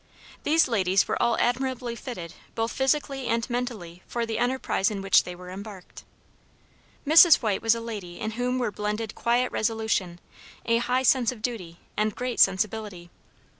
These ladies were all admirably fitted both physically and mentally for the enterprise in which they were embarked. Mrs. White was a lady in whom were blended quiet resolution, a high sense of duty, and great sensibility.